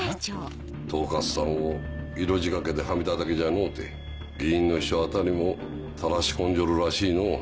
統括さんを色仕掛けではめただけじゃのうて議員の秘書あたりもたらし込んじょるらしいのう。